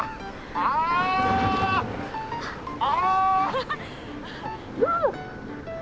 ああ！